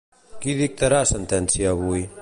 Qui dictarà sentència avui?